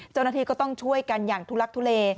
เจ้าหน้าที่ก็ต้องช่วยกันอย่างทุลักทุเล